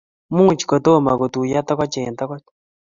much kotomo kotuyo togoch eng' togoch